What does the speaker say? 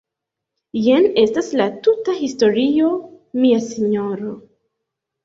Jen estas la tuta historio, mia sinjoro.